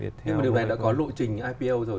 nhưng mà điều này đã có lộ trình ipl rồi